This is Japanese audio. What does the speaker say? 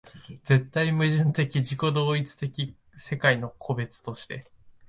絶対矛盾的自己同一的世界の個物として